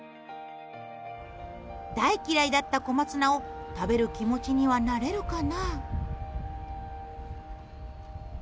大嫌いだった小松菜を食べる気持ちにはなれるかな？